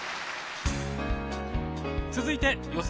続いて予選